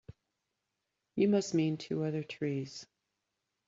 You must mean two other trees.